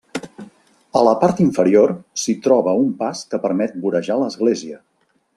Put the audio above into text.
A la part inferior s'hi troba un pas que permet vorejar l’església.